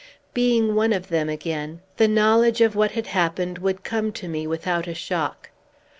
Being one of them again, the knowledge of what had happened would come to me without a shock.